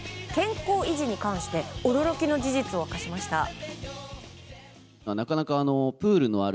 健康維持に関して驚きの事実を明かしました。